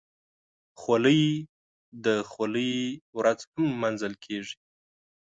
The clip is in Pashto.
خولۍ د خولۍ ورځ هم لمانځل کېږي.